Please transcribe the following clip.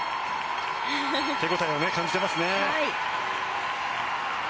手応えを感じてますね。